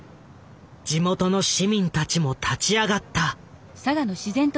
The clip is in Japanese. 地元の市民たちも立ち上がった。